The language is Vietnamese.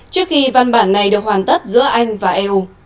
trước khi văn bản này được hoàn tất giữa anh và eu